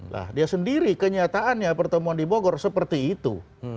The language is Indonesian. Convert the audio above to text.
nah dia sendiri kenyataannya pertemuan di bogor seperti itu